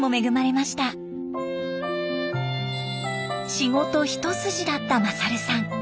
仕事一筋だった勝さん。